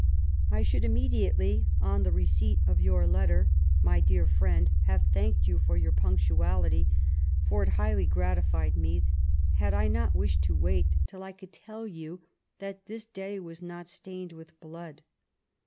I should immediately on the receipt of your letter, my dear friend, haye thanked you for your punctuality, for it highly gratified me, had I not wished to wait till I could tell you that this day was not stained with blood.